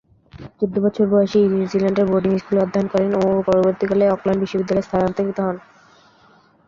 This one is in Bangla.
চৌদ্দ বছর বয়সে নিউজিল্যান্ডের বোর্ডিং স্কুলে অধ্যয়ন করেন ও পরবর্তীকালে অকল্যান্ড বিশ্ববিদ্যালয়ে স্থানান্তরিত হন।